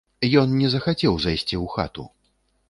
Ён не захацеў зайсці ў хату.